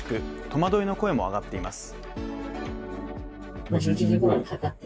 戸惑いの声も上がっています。